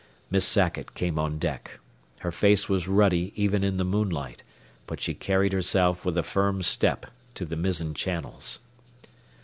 Miss Sackett came on deck. Her face was ruddy even in the moonlight, but she carried herself with a firm step to the mizzen channels.